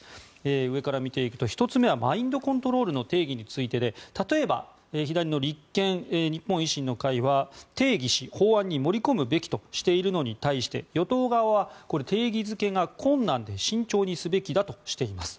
上から見ていくと１つ目はマインドコントロールの定義についてで例えば左の立憲、日本維新の会は定義し、法案に盛り込むべきとしているのに対して与党側は定義付けが困難で慎重にすべきだとしています。